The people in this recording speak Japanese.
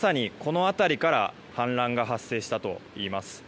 まさに、この辺りから氾濫が発生したといいます。